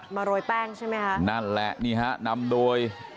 โรยแป้งใช่ไหมคะนั่นแหละนี่ฮะนำโดย